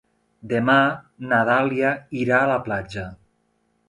Demà na Dàlia irà a la platja.